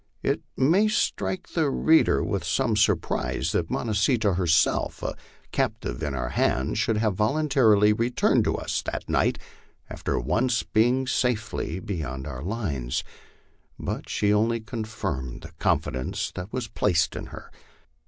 It may strike the reader with some surprise that Mo nah see tah, herself a captive in our hands, should have voluntarily returned to us that night after once being safely beyond our lines. But she only confirmed the confidence that was placed in her.